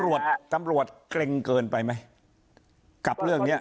เออตำรวจเกร็งเกินไปไหมกับเรื่องนี้